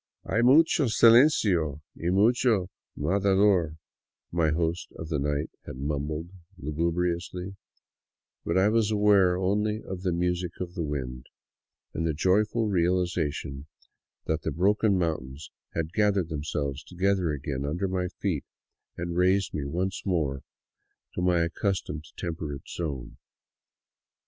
" Hay mucho silencio y mucho matador," my host of the night had mumbled lu gubriously, but I was aware only of the music of the wind and the joyful realization that the broken mountains had gathered themselves together again under my feet and raised me once more to my accus tomed temperate zone.